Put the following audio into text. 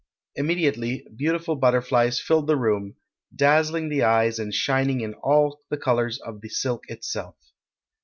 Immediately beautiful butterflies filled the room, dazzling the eyes and shining in all the colours of the silk itself.